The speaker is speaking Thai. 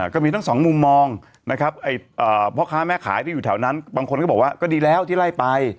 ก็มีทั้งสองมุมมองนะครับพ่อค้าแม่ขายที่อยู่แถวนั้นบางคนก็บอกว่าก็ดีแล้วที่ไล่ไป